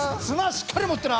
しっかり持ってな。